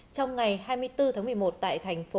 trong ngày hai mươi bốn tháng một mươi một tại thành phố